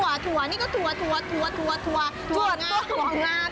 ถั่วถั่วนี่ถั่วตัวงาเต็มไปหมด